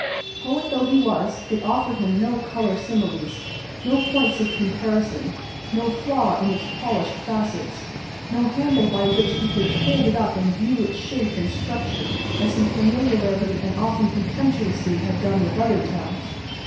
Poet though he was, it offered him no color similes, no points of comparison, no flaw in its polished facets, no handle by which he could hold it up and view its shape and structure, as he familiarly and often contemptuously had done with other towns.